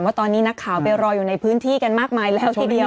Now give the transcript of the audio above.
ว่าตอนนี้นักข่าวไปรออยู่ในพื้นที่กันมากมายแล้วทีเดียว